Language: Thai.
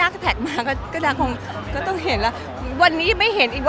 วันที่๒ก็จะมาตอนเย็นอีกทีหนึ่ง